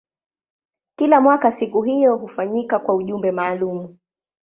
Kila mwaka siku hiyo hufanyika kwa ujumbe maalumu.